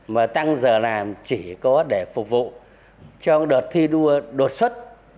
mà tăng giờ làm chỉ có để phục vụ trong đợt thi đua đột xuất